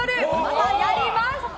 またやります！